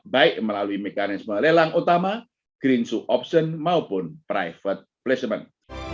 baik melalui mekanisme lelang utama green sue option maupun private placement